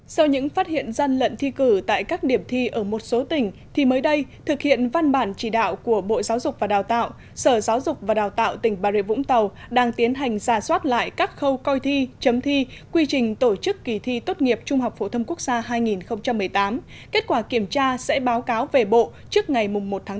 sau những phát hiện gian lận thi cử tại các điểm thi ở một số tỉnh thì mới đây thực hiện văn bản chỉ đạo của bộ giáo dục và đào tạo sở giáo dục và đào tạo tỉnh bà rịa vũng tàu đang tiến hành giả soát lại các khâu coi thi chấm thi quy trình tổ chức kỳ thi tốt nghiệp trung học phổ thâm quốc gia hai nghìn một mươi tám kết quả kiểm tra sẽ báo cáo về bộ trước ngày một tháng tám